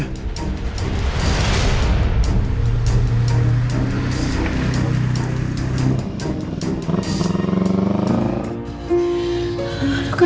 itu dia ya